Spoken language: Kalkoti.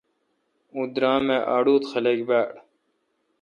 اوں درام اے° اڑوت خلق باڑ۔۔